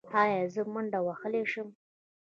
ایا زه منډه وهلی شم؟